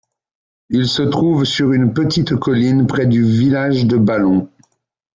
Il se trouve sur une petite colline près du village de Ballon.